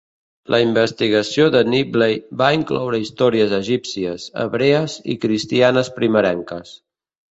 La investigació de Nibley va incloure històries egípcies, hebrees i cristianes primerenques.